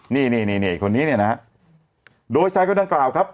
นี่คนนี้เนี่ยนะฮะโดยชายเขาทั้งกล่าวครับ